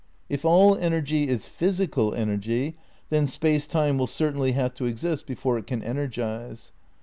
If all energy is physical energy, then Space Time will cer tainly have to exist before it can energise.